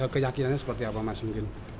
keyakinannya seperti apa mas mungkin